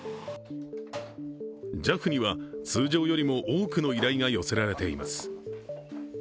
ＪＡＦには通常よりも多くの依頼が寄せられています。